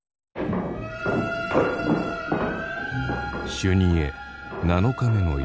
修二会７日目の夜。